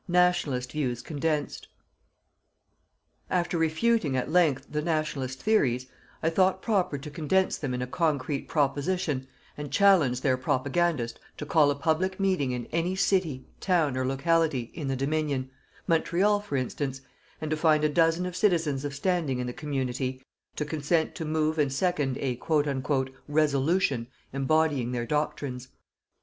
"NATIONALIST" VIEWS CONDENSED. After refuting at length the "Nationalist" theories, I thought proper to condense them in a concrete proposition, and challenge their propagandist to call a public meeting in any city, town, or locality, in the Dominion, Montreal for instance and to find a dozen of citizens of standing in the community, to consent to move and second a "Resolution" embodying their doctrines.